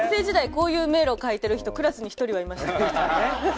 こういう迷路を描いてる人クラスに一人はいました。